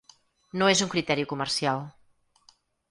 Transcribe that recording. No és un criteri comercial.